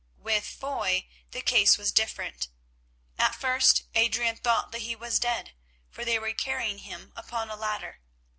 With Foy the case was different. At first Adrian thought that he was dead, for they were carrying him upon a ladder.